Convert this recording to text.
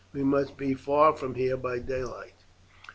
We must be far from here by daylight."